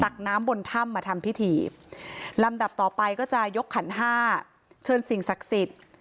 น้ำบนถ้ำมาทำพิธีลำดับต่อไปก็จะยกขันห้าเชิญสิ่งศักดิ์สิทธิ์